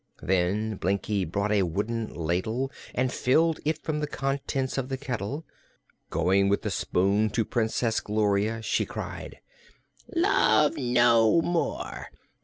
Then Blinkie brought a wooden ladle and filled it from the contents of the kettle. Going with the spoon to Princess Gloria she cried: "Love no more!